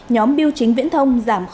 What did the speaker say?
nhóm biêu chính viễn thông giảm chín